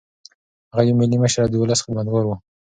هغه یو ملي مشر او د ولس خدمتګار و.